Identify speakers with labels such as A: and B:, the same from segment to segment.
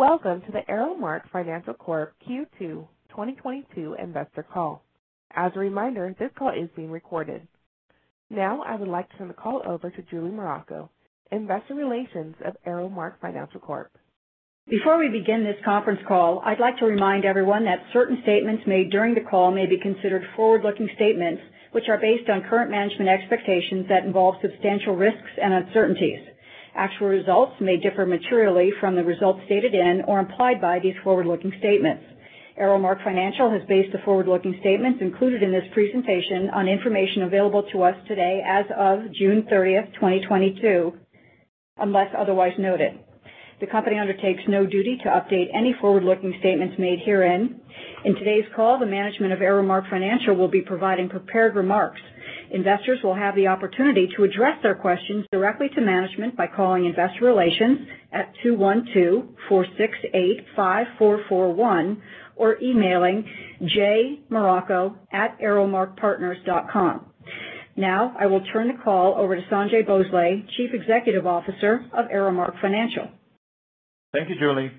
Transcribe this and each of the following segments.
A: Welcome to the ArrowMark Financial Corp. Q2 2022 investor call. As a reminder, this call is being recorded. Now, I would like to turn the call over to Julie Muraco, Investor Relations of ArrowMark Financial Corp.
B: Before we begin this conference call, I'd like to remind everyone that certain statements made during the call may be considered forward-looking statements which are based on current management expectations that involve substantial risks and uncertainties. Actual results may differ materially from the results stated in or implied by these forward-looking statements. ArrowMark Financial has based the forward-looking statements included in this presentation on information available to us today as of June thirtieth, twenty twenty-two, unless otherwise noted. The company undertakes no duty to update any forward-looking statements made herein. In today's call, the management of ArrowMark Financial will be providing prepared remarks. Investors will have the opportunity to address their questions directly to management by calling investor relations at 212-468-5441 or emailing jmuraco@arrowmarkpartners.com. Now, I will turn the call over to Sanjai Bhonsle, Chief Executive Officer of ArrowMark Financial.
C: Thank you, Julie.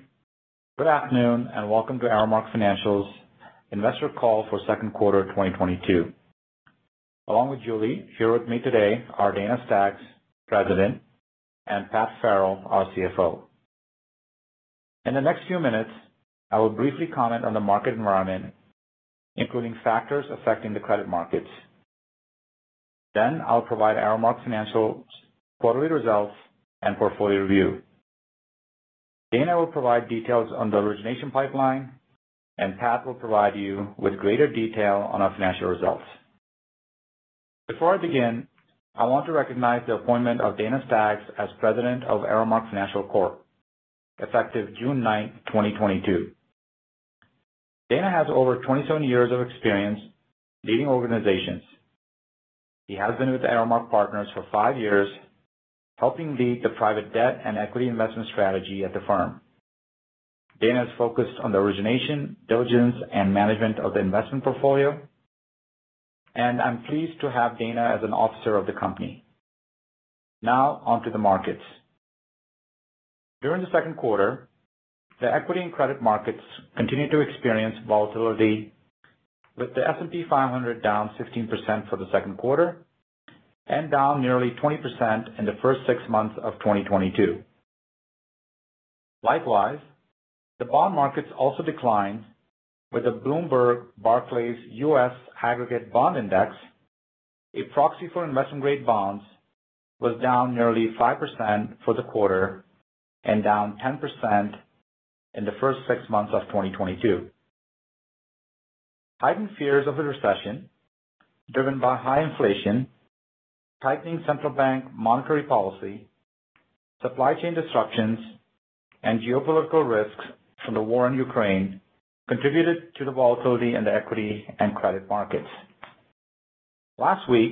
C: Good afternoon, and welcome to ArrowMark Financial's investor call for second quarter 2022. Along with Julie, here with me today are Dana Staggs, President, and Pat Farrell, our CFO. In the next few minutes, I will briefly comment on the market environment, including factors affecting the credit markets. Then I'll provide ArrowMark Financial's quarterly results and portfolio review. Dana will provide details on the origination pipeline, and Pat will provide you with greater detail on our financial results. Before I begin, I want to recognize the appointment of Dana Staggs as president of ArrowMark Financial Corp effective June 9, 2022. Dana has over 27 years of experience leading organizations. He has been with ArrowMark Partners for 5 years, helping lead the private debt and equity investment strategy at the firm. Dana is focused on the origination, diligence, and management of the investment portfolio. I'm pleased to have Dana as an officer of the company. Now onto the markets. During the second quarter, the equity and credit markets continued to experience volatility, with the S&P 500 down 16% for the second quarter and down nearly 20% in the first six months of 2022. Likewise, the bond markets also declined, with the Bloomberg Barclays US Aggregate Bond Index, a proxy for investment-grade bonds, was down nearly 5% for the quarter and down 10% in the first six months of 2022. Heightened fears of a recession driven by high inflation, tightening central bank monetary policy, supply chain disruptions, and geopolitical risks from the war in Ukraine contributed to the volatility in the equity and credit markets. Last week,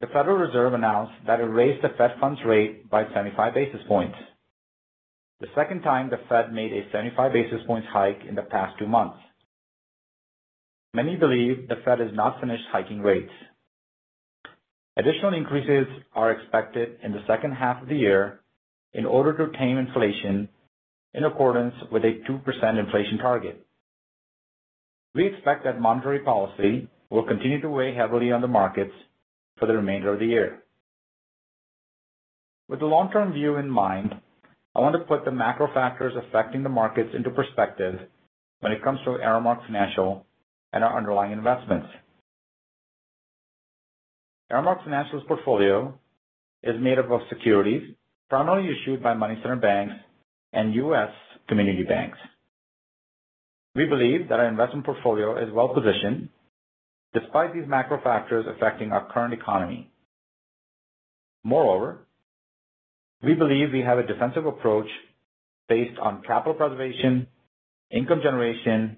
C: the Federal Reserve announced that it raised the federal funds rate by 75 basis points, the second time the Fed made a 75 basis points hike in the past 2 months. Many believe the Fed is not finished hiking rates. Additional increases are expected in the second half of the year in order to tame inflation in accordance with a 2% inflation target. We expect that monetary policy will continue to weigh heavily on the markets for the remainder of the year. With the long-term view in mind, I want to put the macro factors affecting the markets into perspective when it comes to ArrowMark Financial and our underlying investments. ArrowMark Financial's portfolio is made up of securities primarily issued by money center banks and U.S. community banks. We believe that our investment portfolio is well-positioned despite these macro factors affecting our current economy. Moreover, we believe we have a defensive approach based on capital preservation, income generation,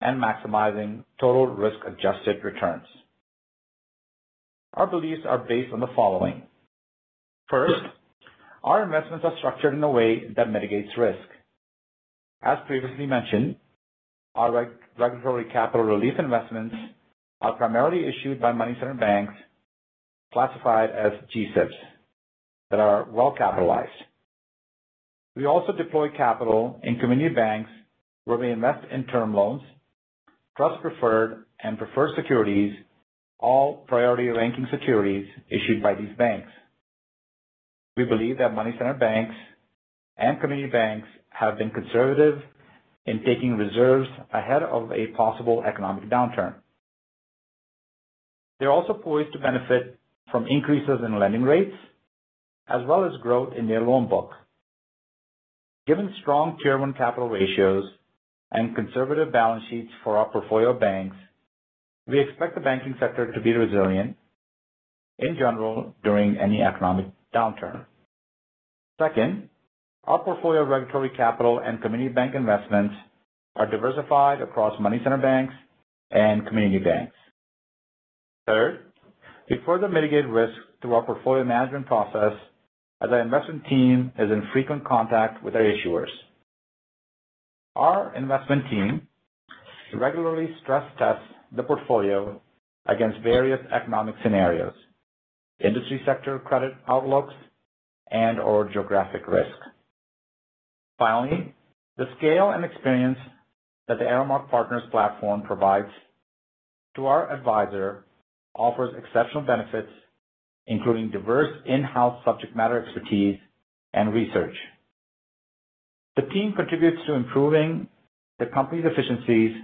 C: and maximizing total risk-adjusted returns. Our beliefs are based on the following. First, our investments are structured in a way that mitigates risk. As previously mentioned, our regulatory capital relief investments are primarily issued by money center banks classified as GSIBs that are well capitalized. We also deploy capital in community banks where we invest in term loans, plus preferred securities, all priority ranking securities issued by these banks. We believe that money center banks and community banks have been conservative in taking reserves ahead of a possible economic downturn. They're also poised to benefit from increases in lending rates as well as growth in their loan book. Given strong Tier 1 capital ratios and conservative balance sheets for our portfolio banks, we expect the banking sector to be resilient in general during any economic downturn. Second, our portfolio of regulatory capital and community bank investments are diversified across money center banks and community banks. Third, we further mitigate risk through our portfolio management process as our investment team is in frequent contact with our issuers. We regularly stress test the portfolio against various economic scenarios, industry sector credit outlooks, and/or geographic risk. Finally, the scale and experience that the ArrowMark Partners platform provides to our advisor offers exceptional benefits, including diverse in-house subject matter expertise and research. The team contributes to improving the company's efficiencies,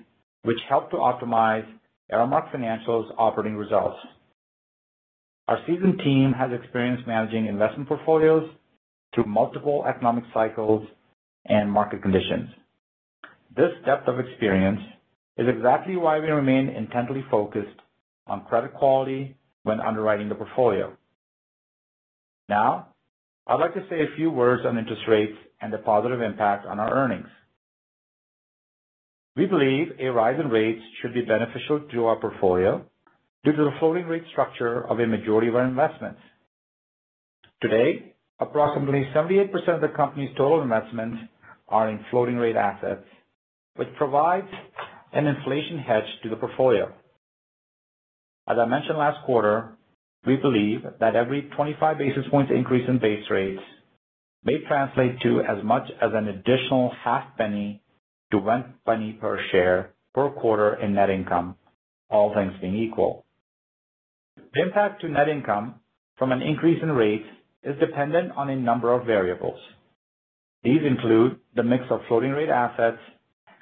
C: which help to optimize ArrowMark Financial's operating results. Our seasoned team has experience managing investment portfolios through multiple economic cycles and market conditions. This depth of experience is exactly why we remain intently focused on credit quality when underwriting the portfolio. Now, I'd like to say a few words on interest rates and the positive impact on our earnings. We believe a rise in rates should be beneficial to our portfolio due to the floating rate structure of a majority of our investments. Today, approximately 78% of the company's total investments are in floating rate assets, which provides an inflation hedge to the portfolio. As I mentioned last quarter, we believe that every 25 basis points increase in base rates may translate to as much as an additional half penny to one penny per share per quarter in net income, all things being equal. The impact to net income from an increase in rate is dependent on a number of variables. These include the mix of floating rate assets,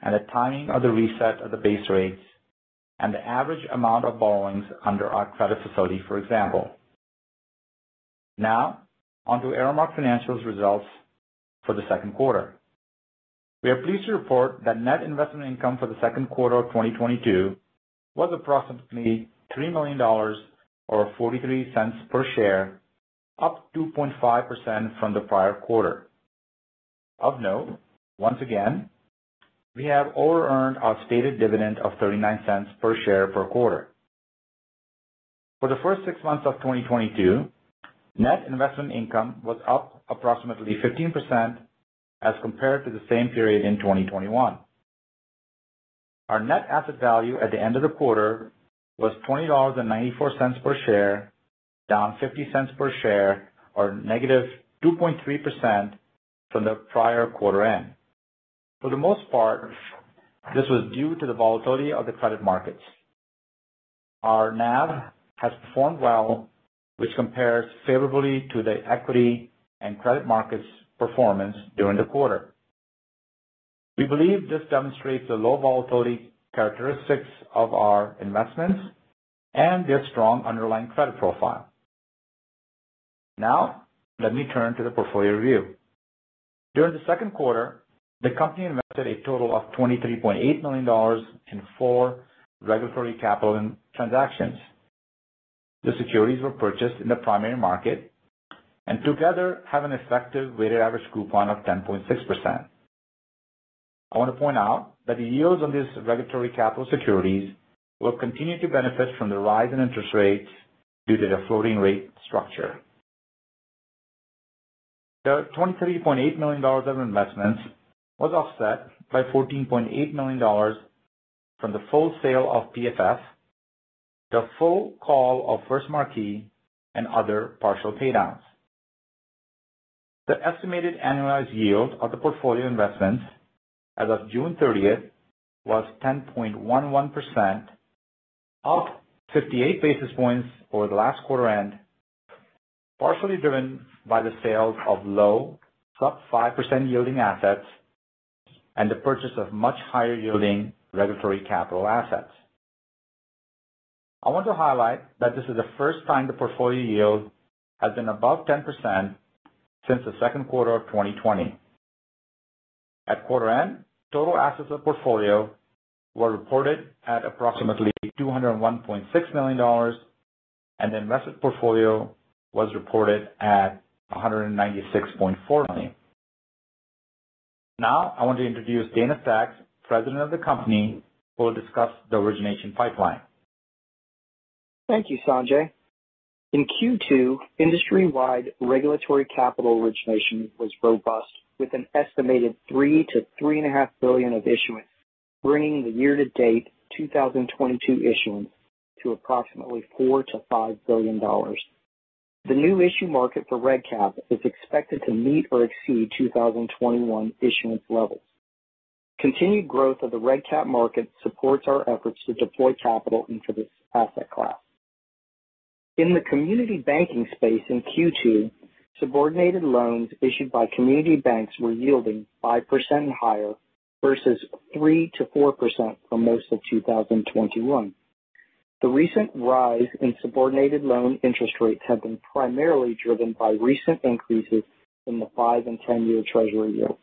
C: and the timing of the reset of the base rates, and the average amount of borrowings under our credit facility, for example. Now onto ArrowMark Financial's results for the second quarter. We are pleased to report that net investment income for the second quarter of 2022 was approximately $3 million or $0.43 per share, up 2.5% from the prior quarter. Of note, once again, we have overearned our stated dividend of $0.39 per share per quarter. For the first six months of 2022, net investment income was up approximately 15% as compared to the same period in 2021. Our net asset value at the end of the quarter was $20.94 per share, down $0.50 per share, or -2.3% from the prior quarter end. For the most part, this was due to the volatility of the credit markets. Our NAV has performed well, which compares favorably to the equity and credit markets performance during the quarter. We believe this demonstrates the low volatility characteristics of our investments and their strong underlying credit profile. Now let me turn to the portfolio review. During the second quarter, the company invested a total of $23.8 million in four regulatory capital transactions. The securities were purchased in the primary market and together have an effective weighted average coupon of 10.6%. I want to point out that the yields on these regulatory capital securities will continue to benefit from the rise in interest rates due to the floating rate structure. The $23.8 million of investments was offset by $14.8 million from the full sale of PFS, the full call of Marquis, and other partial pay downs. The estimated annualized yield of the portfolio investments as of June thirtieth was 10.11%, up 58 basis points over the last quarter end, partially driven by the sales of low sub five percent yielding assets and the purchase of much higher yielding regulatory capital assets. I want to highlight that this is the first time the portfolio yield has been above 10% since the second quarter of 2020. At quarter end, total assets of portfolio were reported at approximately $201.6 million, and the investment portfolio was reported at $196.4 million. Now I want to introduce Dana Staggs, President of the company, who will discuss the origination pipeline.
D: Thank you, Sanjai. In Q2, industry-wide regulatory capital origination was robust with an estimated $3 billion-$3.5 billion of issuance, bringing the year-to-date 2022 issuance to approximately $4 billion-$5 billion. The new issue market for reg cap is expected to meet or exceed 2021 issuance levels. Continued growth of the reg cap market supports our efforts to deploy capital into this asset class. In the community banking space in Q2, subordinated loans issued by community banks were yielding 5% and higher versus 3%-4% for most of 2021. The recent rise in subordinated loan interest rates have been primarily driven by recent increases in the 5- and 10-year Treasury yield.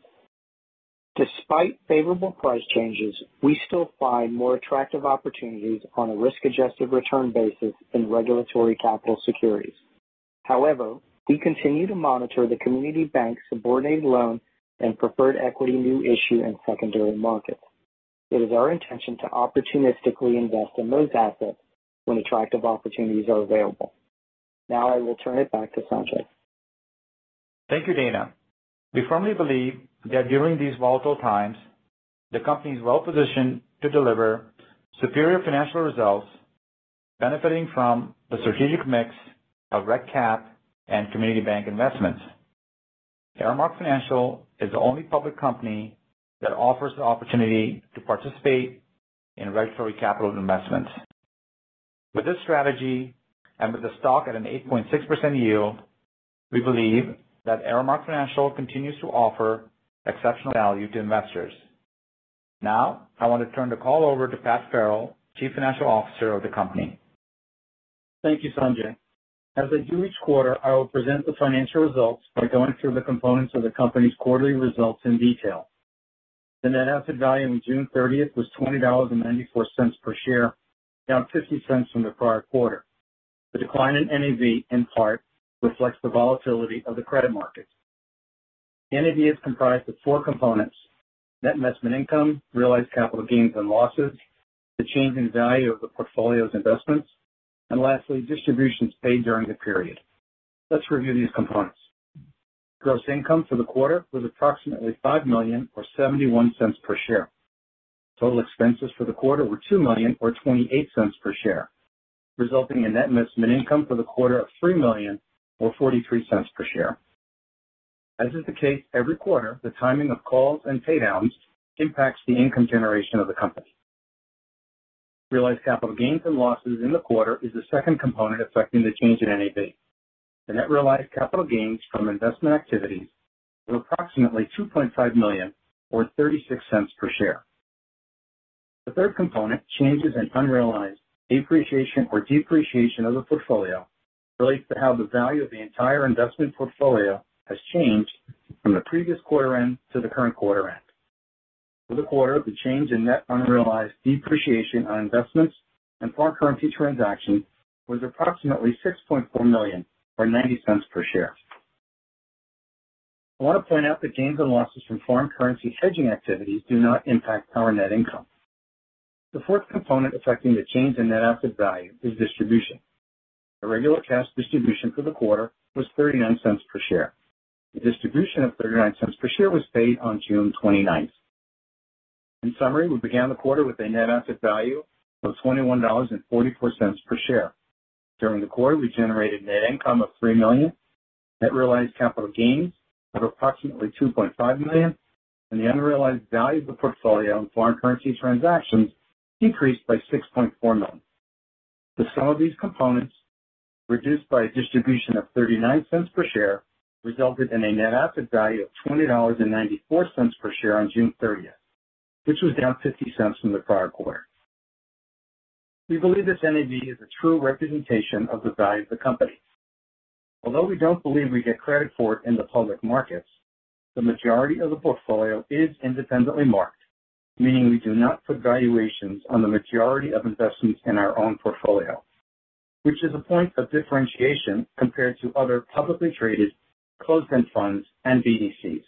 D: Despite favorable price changes, we still find more attractive opportunities on a risk adjusted return basis in regulatory capital securities. However, we continue to monitor the community bank's subordinated loan and preferred equity new issue and secondary market. It is our intention to opportunistically invest in those assets when attractive opportunities are available. Now I will turn it back to Sanjai.
C: Thank you, Dana. We firmly believe that during these volatile times, the company is well positioned to deliver superior financial results, benefiting from the strategic mix of reg cap and community bank investments. ArrowMark Financial is the only public company that offers the opportunity to participate in regulatory capital investments. With this strategy, and with the stock at an 8.6% yield, we believe that ArrowMark Financial continues to offer exceptional value to investors. Now, I want to turn the call over to Patrick Farrell, Chief Financial Officer of the company.
E: Thank you, Sanjai. As I do each quarter, I will present the financial results by going through the components of the company's quarterly results in detail. The net asset value on June thirtieth was $20.94 per share, down $0.50 from the prior quarter. The decline in NAV, in part, reflects the volatility of the credit markets. NAV is comprised of four components, net investment income, realized capital gains and losses, the change in value of the portfolio's investments, and lastly, distributions paid during the period. Let's review these components. Gross income for the quarter was approximately $5 million or $0.71 per share. Total expenses for the quarter were $2 million or $0.28 per share, resulting in net investment income for the quarter of $3 million or $0.43 per share. As is the case every quarter, the timing of calls and pay downs impacts the income generation of the company. Realized capital gains and losses in the quarter is the second component affecting the change in NAV. The net realized capital gains from investment activities were approximately $2.5 million or $0.36 per share. The third component, changes in unrealized appreciation or depreciation of the portfolio, relates to how the value of the entire investment portfolio has changed from the previous quarter end to the current quarter end. For the quarter, the change in net unrealized depreciation on investments and foreign currency transactions was approximately $6.4 million or $0.90 per share. I want to point out that gains and losses from foreign currency hedging activities do not impact our net income. The fourth component affecting the change in net asset value is distribution. The regular cash distribution for the quarter was $0.39 per share. The distribution of $0.39 per share was paid on June 29th. In summary, we began the quarter with a net asset value of $21.44 per share. During the quarter, we generated net income of $3 million, net realized capital gains of approximately $2.5 million, and the unrealized value of the portfolio and foreign currency transactions increased by $6.4 million. The sum of these components, reduced by a distribution of $0.39 per share, resulted in a net asset value of $20.94 per share on June 30th, which was down $0.50 from the prior quarter. We believe this NAV is a true representation of the value of the company. Although we don't believe we get credit for it in the public markets, the majority of the portfolio is independently marked, meaning we do not put valuations on the majority of investments in our own portfolio, which is a point of differentiation compared to other publicly traded closed-end funds and BDCs.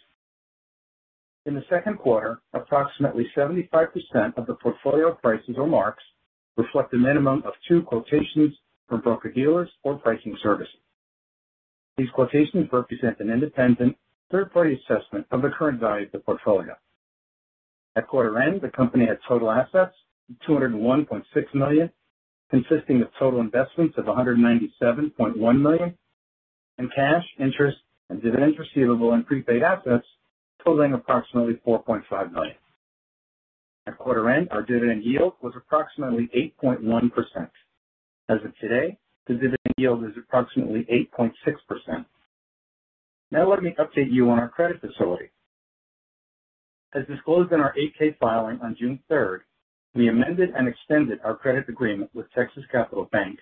E: In the second quarter, approximately 75% of the portfolio prices or marks reflect a minimum of two quotations from broker-dealers or pricing services. These quotations represent an independent third-party assessment of the current value of the portfolio. At quarter end, the company had total assets of $201.6 million, consisting of total investments of $197.1 million, and cash, interest, and dividends receivable and prepaid assets totaling approximately $4.5 million. At quarter end, our dividend yield was approximately 8.1%. As of today, the dividend yield is approximately 8.6%. Now let me update you on our credit facility. As disclosed in our 8-K filing on June 3, we amended and extended our credit agreement with Texas Capital Bank,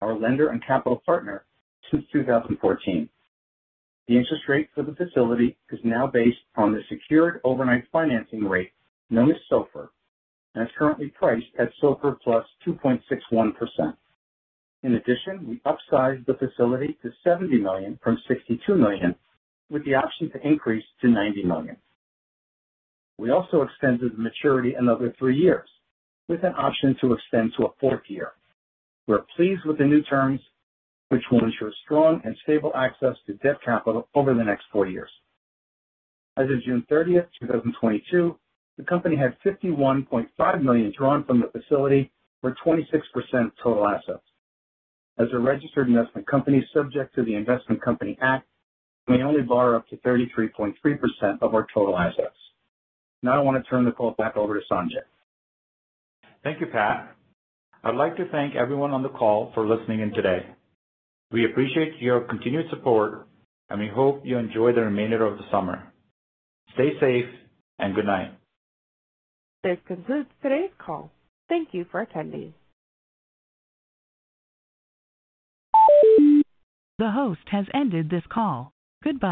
E: our lender and capital partner since 2014. The interest rate for the facility is now based on the secured overnight financing rate known as SOFR and is currently priced at SOFR plus 2.61%. In addition, we upsized the facility to $70 million from $62 million, with the option to increase to $90 million. We also extended the maturity another 3 years with an option to extend to a fourth year. We are pleased with the new terms, which will ensure strong and stable access to debt capital over the next 4 years. As of June 30, 2022, the company had $51.5 million drawn from the facility, or 26% of total assets. As a registered investment company subject to the Investment Company Act, we may only borrow up to 33.3% of our total assets. Now I want to turn the call back over to Sanjai.
C: Thank you, Pat. I'd like to thank everyone on the call for listening in today. We appreciate your continued support, and we hope you enjoy the remainder of the summer. Stay safe, and good night.
A: This concludes today's call. Thank you for attending. The host has ended this call. Goodbye.